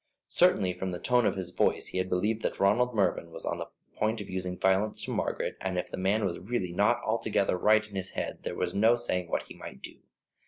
Certainly, from the tone of his voice, he had believed that Ronald Mervyn was on the point of using violence to Margaret, and if the man was really not altogether right in his head there was no saying what he might do.